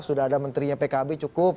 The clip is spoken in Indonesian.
sudah ada menterinya pkb cukup